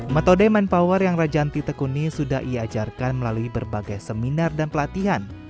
metode mindpower yang rajanti tekuni sudah iajarkan melalui berbagai seminar dan pelatihan